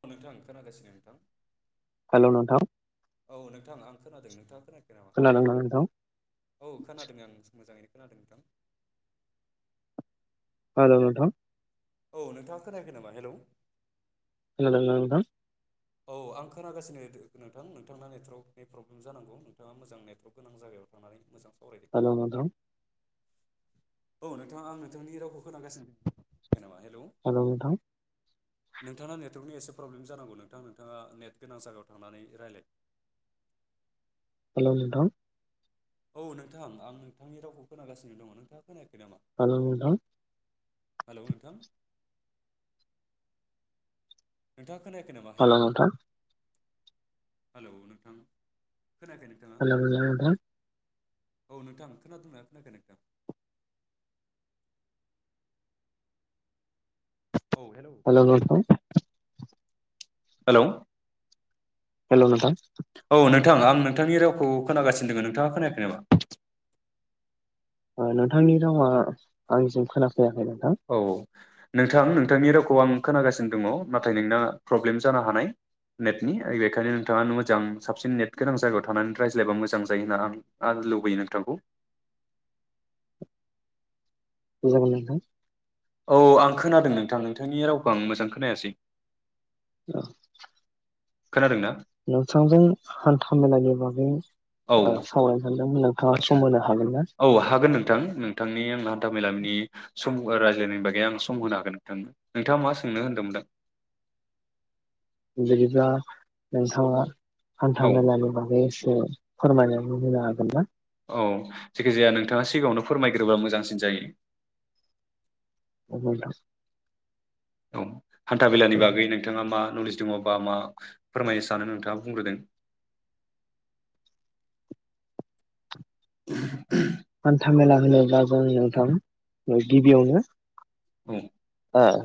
औ नोंथां खोनागासिनो नोंथां हेलौ नोंथां औ नोंथां आं खोनादों नोंथाङा खोनायाखै नामा खोनादोंना नोंथां? औ खोनादों आं मोजाङैनो खोनादों नोंथां हेलौ नोंथां औ नोंथाङा खोनायाखै नामा हेलौ खोनादोंना नोंथां औ आं खोनागासिनो नोंथां नोंथांना नेटवर्कनि प्रब्लेम जानांगौ नोंथाङा मोजां नेटवर्क गोनां जायगायाव थांनानै मोजां सावरायदो हेलौ नोंथां औ नोंथाङा आं नोंथांनि रावखौ खोनागासिनो [unintelligible] हेलौ नोंथां नोंथाङा नेटवर्कनि एसे प्रब्ले जानांगौ नोंथां नोंथाङा नेट गोनां जायगायाव थांनानै रायलाय हेलौ नोंथां औ नोंथां आं नोंथांनि रावखौ खोनासिनो दङ नोंथाङा खोनायाखै नामा? हेलौ नोंथां हेलौ नोंथां नोंथां खोनायाखै नामा हेलौ हेलौ नोंथां खोनायाखै नोंथाङा हेलौ हेलौ नोंथां औ नोंथां खोनादोंंना खोनायाखै नोंथां हेलौ नोंथां हेलौ हेलौ नोंथां औ नोंथां आं नोंथांनि रावखौ खोनागासिनो दोङो नोंथाङा खोनायाखै नामा? ओ नोंथांनि रावा आंनिसिम खोना जायाखै नोंथां औ नोंथां नोंथांनि रावखौ आं खोनागासिनो दङ नाथाय नोंना प्रब्लेम जानो हानाय नेटनि बेखायनो नोंथाङा मोजां साबसिन नेट गोनां जायगायाव थानानै रायज्लायबा मोजां जायो होनना आं लुबैयो नोंथांखौ दे जागोन नोंथां औ आं खोनादों नोंथां नोंथांनि रावखौ आं मोजां खोनायासै औ खोनादोंना नोंथांजों हान्था मेलानि बागै औ ओ सावरायनो सान [unintelligible] आदसा औ हागोन नोंथां नोंथांनि आंना हान्था मेलामनि सम रायज्लायनो होनबाय दे आं सम होनो हागोन नोंथांनो नोंथाङा मा सोंनो होन्दों मोनदों [unintelligible] नोंथाङा हान्था औ मेलानि बागै एसे फोरमायनाय [unintelligible] हागोन ना? औ जिखिजाया नोंथाङा सिगाङावनो फोरमायग्रोबा मोजांसिन जायो [unintelligible] औ हान्था बेेलानि बागै नोंथाङा मा नलेज दङबा मा फोरमायनो सानो नोंथाङा बुंग्रोदों [inaudible] हान्था मेला होनोब्ला जों नोंथां गिबियावनो औ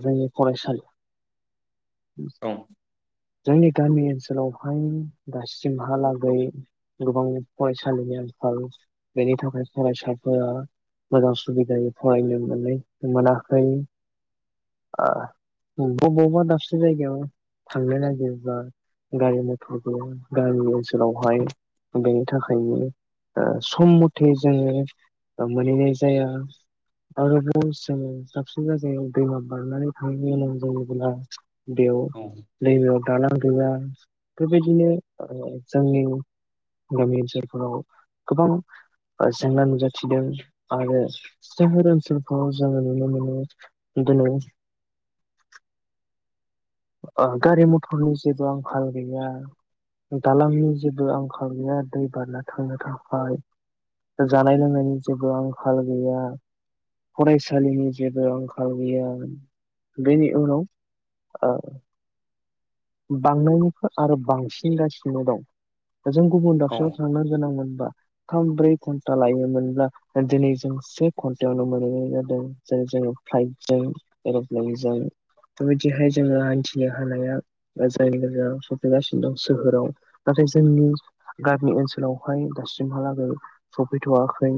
जोंनि फरायसालि औ [inaudible] जोंनि गामि ओनसोलावहाय दासिमहालागै गोबां फरायसालिनि आंखाल बेनि थाखाय फरायसाफोरा मोजां सुबिदायै फरायनो मोनै मोनाखै ओ बबावबा दाबसे जायगायाव थांनो नागिरबा गारि मथर गैया गामि ओनसोलावहाय बेनि थाखायनो ओ सम मथे जोङो ओ मोनहैनाय जाया आरोबाव जोङो दाबसे दैमा बारनानै थांनो गोनां जायोब्ला बेयाव औ नैबेयाव दालां गैया बेबायदिनो ओ जोंनि गामि ओनसोलफोराव गोबां जेंना नुजाथिदों आरो सोहोर ओनसोलफ्राव जोङो नुनो मोनो। गेलेयो। आ गारि मथरनि जेबो आंखाल गैया दालांनि जेबो आंखाल गैया दै बारना थांनो थाखाय जानाय लोंनायनि जेबो आंखाल गैया फरायसालिनि जेबो आंखाल गैया बेनि उनाव ओ। बांनायनिफ्राय आरो बांसिनगासिनो दं। जों गुबुन दाबसेयाव औ थांनो गोनां मोनबा थाम ब्रै घन्टा लायोमोनब्ला दिनै जों से घन्टायावनो मोनहैनाय जादों जेरै जोङो फ्लाइटजों एरप्लेनजों बेबायदिहाय जोङो हान्थिनो हानाया जाय लोगोया सफैगासिनो दं सोहोराव नाथाय जोंनि गामि ओनसोलावहाय दासिमहालागै सफैथयाखै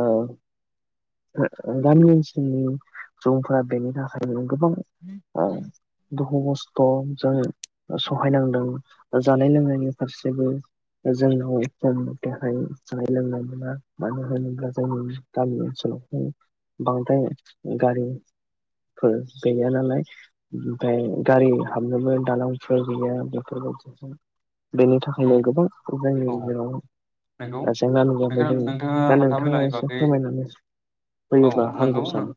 आ [unintelligible] गामि ओनसोलनि सुबुंफोरा बेनि थाखायनो गोबां आ दहस थम सों सहायनांदों जानाय लोंनायनि फारसेबो जों नाव सम मथेहाय जानाय लोंनाय मोना मानो होनोब्ला जोंनि गामि ओनसोलावहाय बांद्राय गारि फोर गैया नालाय ओमफाय गारि हाबदोंमोन दालांफोर गैया बेफोर बायदि सम बेनि थाखायनो उम गोबां औ जोंनि राव नंगौ जेंना नोंथां नुजाफैदों नोंथाङा दा हान्था नोंथाङा मेलानि एसे बागै फोरमायनानै औ होयोबा नंगौ हामगौ सानो।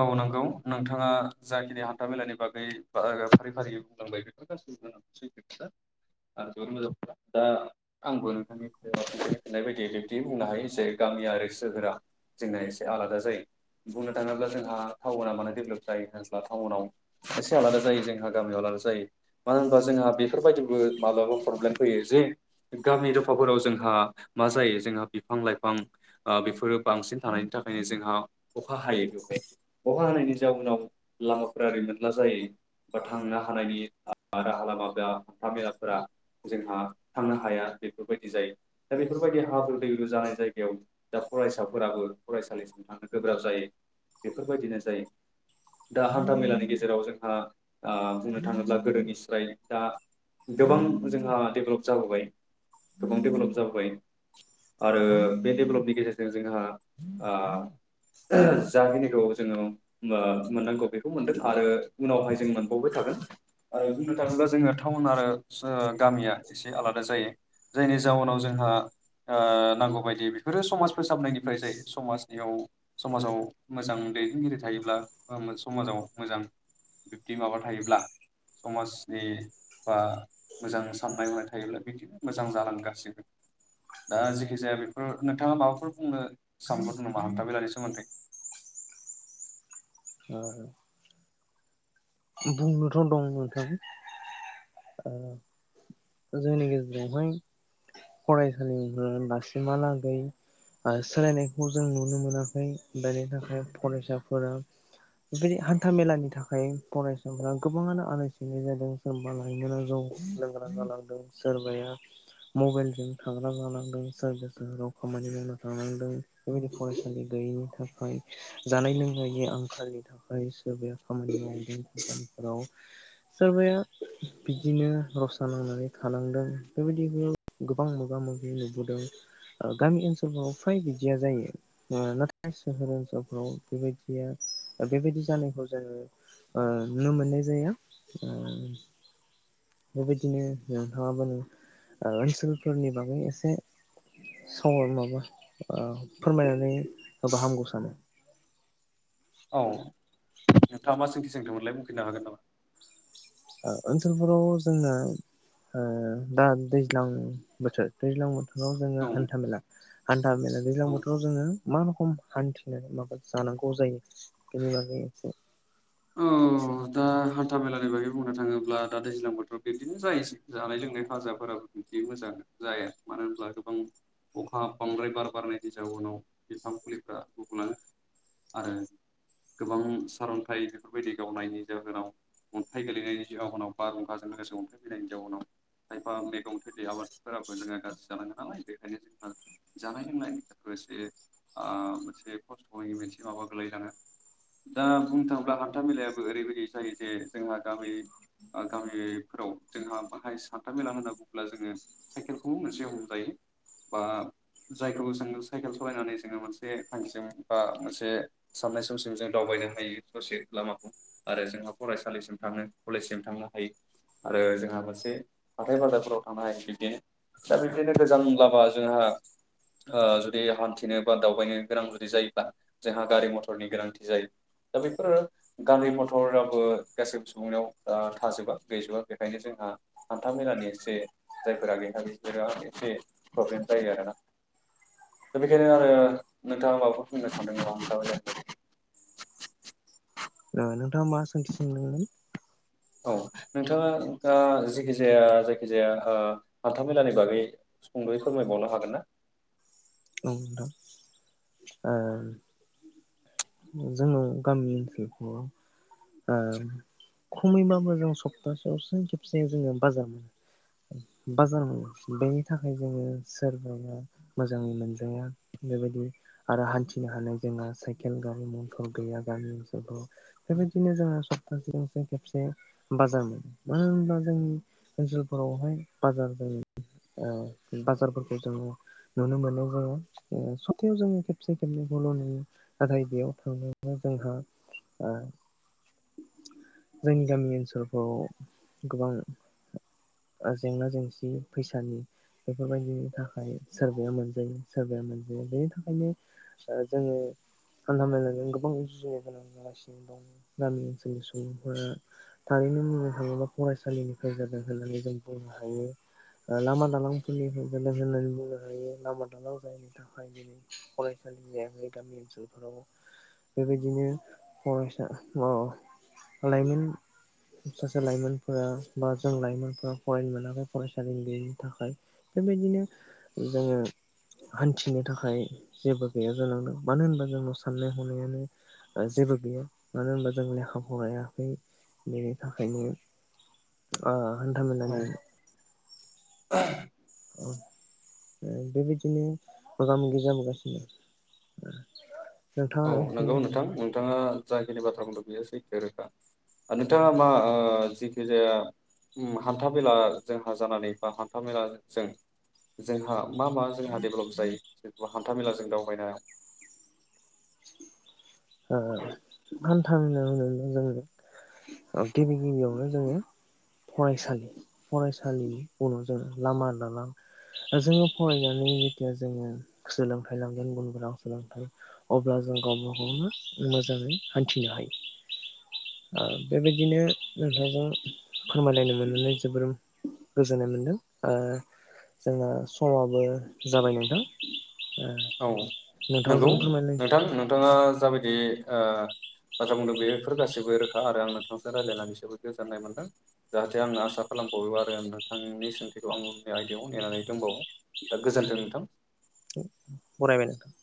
औ नंगौ नोंथाङा जाखिनि हान्था मेलानि बागै फा-फारि फारि बुंलांबाय बेफोर गासैबो सैथो दा [unintelligible] दा आंबो नोंथांनि सिनाय बायदियै बिब्दि बुंनो हायो जे गामि आरो सोहोरा जोंना एसे आलादा जायो बुंनो थाङोब्ला जोंहा टाउना मानो डेभेलप जायो होनोब्ला टाउनाव एसे आलादा जायो जोंहा गामियाव आलादा जायो मानो होनबा जोंहा बेफोरबायदि। [unintelligible] माब्लाबा प्रब्लेम फैयो जे गामि दफाफोराव जोंहा मा जायो जोंहा बिफां लाइफां आ बेफोरो बांसिन थानायनि थाखायनो जोंहा अखा हायो बेवहाय अखा हानायनि जाउनाव लामाफोरा ओरै मोनला जायो बा थांनो हानायनि राहा लामा हान्था मेलाफोरा जोंहा थांनो हाया बेफोरबायदि जायो दा बेफोरबायदि हाब्रु दैब्रु जानाय जायगायाव दा फरायसाफोराबो फरायसालिसिम थांनो गोब्राब जायो बेफोरबायदिनो जायो दा हान्था मेलानि गेजेराव जोंहा बुंनो थाङोब्ला गोदोनिफ्राय दा गोबां जोंहा डेभेलप जाबोबाय गोबां डेभेलप जाबोबाय आरो बे डेभेलपनि गेजेरजों जोंहा आ जाखिनिखौ जोङो मोननांगौ बेखौ मोनदों आरो उनावहाय जों मोनबावबाय थागोन आरो बुंनो थाङोब्ला जोङो टाउन आरो सोहो गामिया एसे आलादा जायो जायनि जाउनाव जोंहा आ नांगौबायदि बेफोरो समाज फोसाबनायनिफ्राय जायो समाजनियाव समाजाव मोजां दैदेनगिरि थायोब्ला समाजाव मोजां बिब्दि माबा थायोब्ला समाजनि बा मोजां साननाय हनाय थायोब्ला बिदिनो मोजां जालगासिगोन दा जेखि जाया बेफोर नोंथाङा माबाफोर बुंनो सानहरदों नामा हान्थाबेलानि सोमोन्दै [inaudible] बुंनोथ दं नोंथां। जोंनि गेजेरावहाय फरायसालिफोरा दासिमहालागै सोलायनायखौ जों नुनो मोनाखै बेनि थाखाय फरायसाफोरा बे हान्थाामेलानि थाखाय फरायसाफोरा गोबाङानो आलाय सिलानाय जादों सोरबा लायनो न [unintelligible] लोंग्रा गालादों सोरबाया मबाइल उम थाग्रा जालांदों सोरबा सोहोराव खामानि मावना थानांदों बेबायदि फरायसालि गैयैनि थाखाय जानाय लोंनायनि आंखालनि थाखाय सोरबाया खामानि मावदों दखानफोराव सोरबाया बिदिनो रसा नांनानै थालांदों बेबायदि गोबां मोगा-मोगि नुबोदों आ गामि ओनसोलफ्राव फाय बिदिया जायो। नाथाय सोहोर ओनसोलफ्राव बेबायदिया ओ बेबायदि जानायखौ जोङो ओ नुनो मोननाय जाया। उम बेबायदिनो नोंथाङाबो ओ इसोलफोरनि बागै एसे सर माबा फोरमायनानै होबा हामगौ सानो। औ नोंथाङा मा सोंथिदोंमोनलाय बुंफैनो हागोन नामा? ओ ओनसोलफोराव जोङो ओ दा दैज्लां बोथोर दैज्लां बोथोराव जोङो औ हान्था मेला हान्था मेला दैज्लां औ बोथोराव जोङो मा रखोम हान्थिनानै माबा जानांगौ जायो बेनि बागै एसे औ दा हान थामेलानि बागै बुंनो थाङोब्ला दा दैज्लां बोथोराव बिब्दिनो जायो जानाय लोंनाय हाजाफोराबो बिदि मोजां जाया मानो होनब्ला गोबां अखा बांद्राय बार बारनायनि जाउनाव बिफां फुलिफ्रा गुबुना आरो गोबां सारअन्थाइ बेफोरबायदि गावनायनि जाहोनाव अन्थाइ गोेलैनायनि जाहोनाव बारहुंखाजों लोगोसे अन्थाइ फैनायनि जााहोनाव खायफा मैगं थेलि आबादफोराबो जोंहा गाज्रि जालानालाय बेखायनो जोंहा जानाय लोंनायनि एसे आ मोनसे खस्थयै मोनसे माबा गोलायलाङो। दा बुंनो थाङोब्ला हा था मेलायाबो ओरैबायदि जायो जे जोंहा गामि आ गामिफोराव जोंहा बाहाय सान्था मेला होनना बुंब्ला जोङो साइकेलखौ मोनसे हमजायो बा जायखौबो जों साइकेल सलायनानै जोङो मोनसे थांखिजों बा मोनसे साननाय समजों जों दावबायनो हायो ससे लामाखौ आरो जोंहा फरायसालिसिम थाङो कलेजसिम थांनो हायो आरो जोंहा मोनसे हाथाय बाजाफोराव थांनो हायो बिब्दिनो दा बिबदिनो गोजानब्लाबा जोंहा ओ जुदि हान्थिनो बा दावबायनो गोनां जुदि जायोब्ला जोंहा गारि मथरनि गोनांथि जायो। दा बेफोरो गारि मथराबो गासैबो सुबुंनाव ओ थाजोबा गैजोबा बेखायनो जोंहा हान्था मेलानि एसे जायफोरा गैया बिफोरो एसे प्रब्लेम जायो आरोना दा बेखायनो आरो नोंथाङा माबाखौ बुंनो सानदों ना हान्था मेला [unintelligible] नोंथांङा मा सोंथि सोंदोंमोन। औ नोंथाङा ओ जिखिजाया जायखिजाया आ हान्थामेलानि बागै सुंदयै फोरमायबावनो हागोन ना? औ नोंथां ओ जोंनाव गामि ओनसोलखौ आ खमैबाबो जों सप्तासेयावसो खेबसे जोङो बाजार बाजार बेनि थाखाय जोङो सोरबाया मोजाङै मोनजाया बेबायदि आरो हान्थिनो हानाय जोंहा साइकेल गारि म थर गैया गामि ओनसोलफोराव बेबायदिनो जोंहा सप्तासे खेबसे बाजार मानो होनोबा ओनसोलफोरावहाय बाजार आं बाजारफोरखौ जोङो नुनो मोननाय जाया सप्तायाव जोङो खेबसे खेबनैखौल नुयो। नाथाय बेयाव थांनायाव जोंहा आ जोंनि गामि ओनसोलफोराव गोबां जेंना जेंसि फैसानि बेफोरबायदिनि थाखाय सोरबाया मोनजायो सोरबाया मोनजाया बे थाखायनो ओ जोङो हाथा मेलानि गोबां जयाव गोनां जागासिनो दं गामि ओनसोलनि सुबुंफोरा थारैनो बुंनो थाङोब्ला फरायसालिनिफ्राय जादों होननानै जों बुंनो हायो लामा दालांफोरनिफ्राय जादों होननानै बुंनो हायो लामा दालां जायैनि थाखाय दिनै फरायसालिया गामि ओनसोलफोराव। बेबायदिनो फरायसा [unintelligible] लाइमोन सासे लाइमोनफोरा बा जों लाइमोनफोरा फरायनो मोनाखै फरायसालि गैयैनि थाखाय बेबायदिनो जोङो हान्थिनो थाखाय जेबो गैया जालांदों मानो होनोबा जों साननाय हनायानो जेबो गैया मानो होनबा जों लेखा फरायाखै बेनि थाखायनो ओ हान्थामेलानि [unintelligible] औ बेबायदिनो मोगा मोगि जाबोगासिनो दं। औ नंगौ नोंथां नोंथाङा जाखिनि बाथ्रा बुंदों बेयो सैथो रोखा नोंथाङा मा आ जिखि जाया उम हान्था मेला जोंहा जानानै बा हान्था-मेलाजों जोंहा मा मा जोंहा डेभेलप जायो जेनबा हान्था मेलाजों दावबायनाया। ओ हान्था मेला जोङो गिबि गिबियावनो जोङो फरायसालि फरायसालिनि उनाव जोङो लामा दालां जोङो फरायनानै जेथिया जोङो सोलोंथाइ लांगोन गुन गोनां सोलोंथाइ अब्ला जों गावबा गावनो मोजाङै हान्थिनो हायो आ बेबायदिनो नोंथांजों फोरमायलायनो मोननानै जोबोर गोजोननाय मोनदों आ जोंना समाबो जाबाय नोंथां। ओ औ नंगौ नोंथांजों फोरमायनो नोंथां नोंथाङा जाबाय बे ओ बाथ्रा बुंदों बेफोर गासैबो रोखा आरो आं नोंथांजों रायलायनानै जोबोर गोजोननाय मोन्दों जाहाथे आं आसा खालामबावयो आरो नोंथांनि सोंथिखौ आं उननि आयदायाव नेनानै दंबावो दा गोजोन्थों नोंथां। बरायबाय नोंथां।